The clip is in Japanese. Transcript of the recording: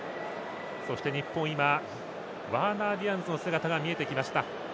そして日本ワーナー・ディアンズの姿が見えてきました。